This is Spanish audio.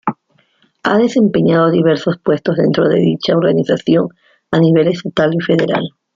Ha desempeñado diversos puestos dentro de dicha organización a nivel estatal y federal.